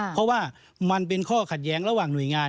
เพราะว่ามันเป็นข้อขัดแย้งระหว่างหน่วยงาน